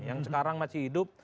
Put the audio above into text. yang sekarang masih hidup